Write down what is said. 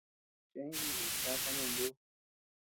Chichee jinikuy tiaka nuku nduu.